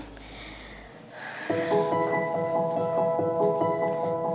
gitu dong keluar